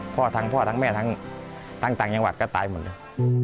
ทั้งพ่อทั้งแม่ทั้งต่างจังหวัดก็ตายหมดเลย